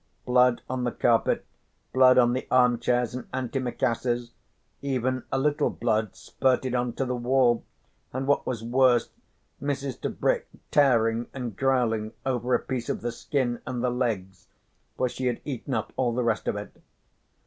Blood on the carpet, blood on the armchairs and antimacassars, even a little blood spurtled on to the wall, and what was worse, Mrs. Tebrick tearing and growling over a piece of the skin and the legs, for she had eaten up all the rest of it.